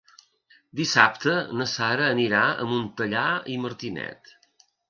Dissabte na Sara anirà a Montellà i Martinet.